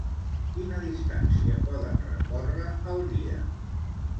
Quina distància poden recórrer al dia?